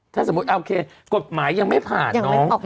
ถ้าสมมุติโอเคกฎหมายยังไม่ผ่านน้อง